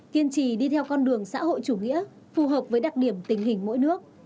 kiên trì đi theo con đường xã hội chủ nghĩa phù hợp với đặc điểm tình hình mỗi nước